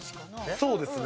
そうですね。